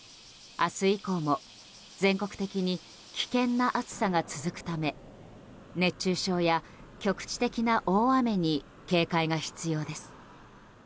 明日以降も全国的に危険な暑さが続くため熱中症や局地的な大雨に警戒が必要です。